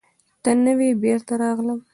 ته نه وې، بېرته راغلم.